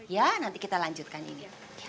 ya nanti kita lanjutkan ini